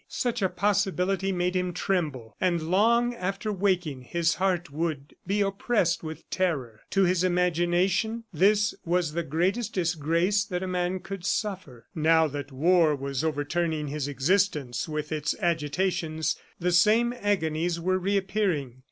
Such a possibility made him tremble, and long after waking his heart would be oppressed with terror. To his imagination this was the greatest disgrace that a man could suffer. Now that war was overturning his existence with its agitations, the same agonies were reappearing.